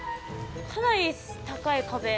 かなり高い壁。